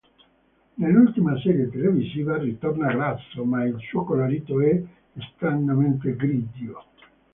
Nell'ultima serie televisiva, ritorna grasso, ma il suo colorito è stranamente grigio.